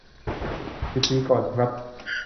สิบปีก่อนครับ